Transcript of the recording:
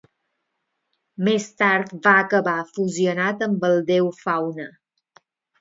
Més tard va acabar fusionat amb el déu Faune.